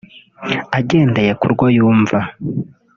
agendeye kurwo yumva